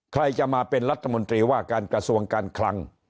ใครจะมาเป็นรัฐมนตรีว่าการกระทรวงการคลัง